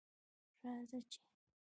راځه چې